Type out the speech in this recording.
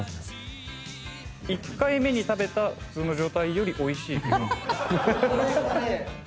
１回目に食べた普通の状態よりおいしい。